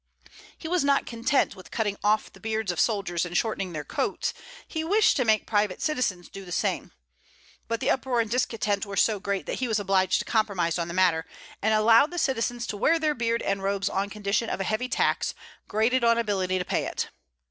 He was not content with cutting off the beards of the soldiers and shortening their coats, he wished to make private citizens do the same; but the uproar and discontent were so great that he was obliged to compromise the matter, and allow the citizens to wear their beards and robes on condition of a heavy tax, graded on ability to pay it.